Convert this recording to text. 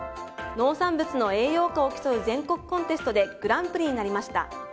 農産物の栄養価を競う全国コンテストでグランプリになりました。